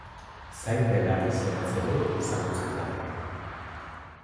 Zain-belar izenaz ere ezagutzen da.